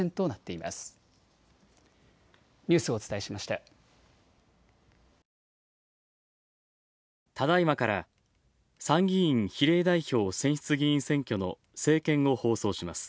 ただいまから参議院比例代表選出議員選挙の政見を放送します。